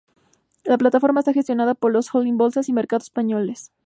La plataforma está gestionada por el holding Bolsas y Mercados Españoles.